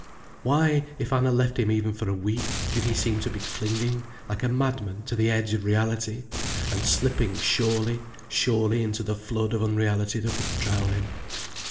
Why, if Anna left him even for a week, did he seem to be clinging like a madman to the edge of reality, and slipping surely, surely into the flood of unreality that would drown him.